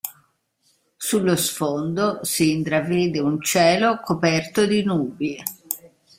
Sullo sfondo si intravede un cielo coperto di nubi.